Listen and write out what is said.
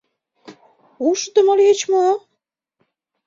Ушдымо лийыч мо?